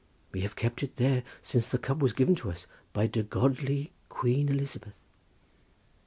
we have kept it there since the cup was given to us by de godly Queen Elizabeth."